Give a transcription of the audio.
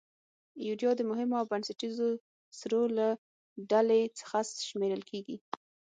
یوریا د مهمو او بنسټیزو سرو له ډلې څخه شمیرل کیږي.